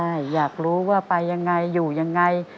ใช่อยากรู้ว่าไปอย่างไรอยู่อย่างไร